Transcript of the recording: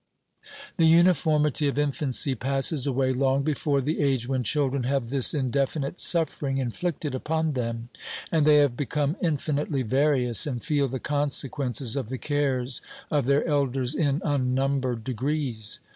The uniformity of infancy passes away long before the age when children have this indefinite suffering inflicted upon them; and they have become infinitely various, and feel the consequences of the cares of their elders in unnumbered degrees.